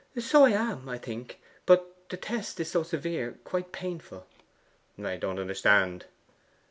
'So I am, I think. But the test is so severe quite painful.' 'I don't understand.